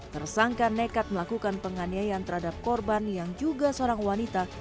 tersangka nekat melakukan penganiayaan terhadap korban yang juga seorang wanita